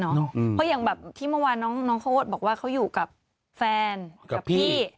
เพราะอย่างแบบที่เมื่อวานน้องโค้ดบอกว่าเขาอยู่กับแฟนกับพี่